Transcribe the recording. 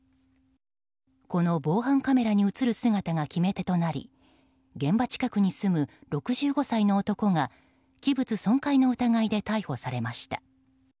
この防犯カメラに映る姿が決め手となり現場近くに住む６５歳の男が器物損壊の疑いで逮捕されました。